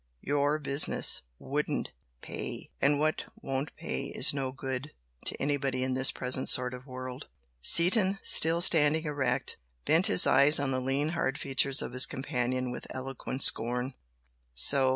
YOUR business WOULDN'T 'pay.' And what won't 'pay' is no good to anybody in this present sort of world." Seaton, still standing erect, bent his eyes on the lean hard features of his companion with eloquent scorn. "So!